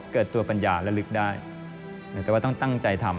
เกิดตัวปัญญาและลึกได้แต่ว่าต้องตั้งใจทำ